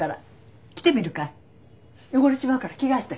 汚れちまうから着替えて。